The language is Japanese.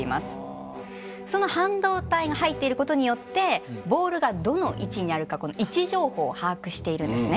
その半導体が入っていることによってボールがどの位置にあるかこの位置情報を把握しているんですね。